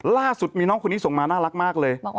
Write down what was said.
ล่าสุดมีน้องคนนี้ส่งมาน่ารักมากเลย